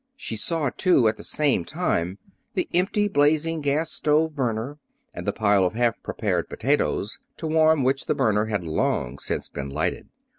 She saw, too, at the same time, the empty, blazing gas stove burner, and the pile of half prepared potatoes, to warm which the burner had long since been lighted.